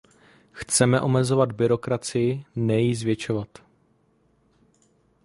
Chceme omezovat byrokracii, ne ji zvětšovat.